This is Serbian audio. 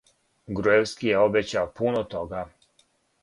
Груевски је обећао пуно тога.